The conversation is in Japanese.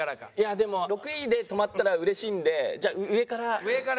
でも６位で止まったら嬉しいんでじゃあ上から。